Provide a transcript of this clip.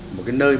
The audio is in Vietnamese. một cái nơi mình